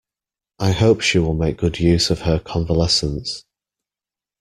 I hope she will make good use of her convalescence.